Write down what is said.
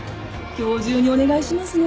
今日中にお願いしますね。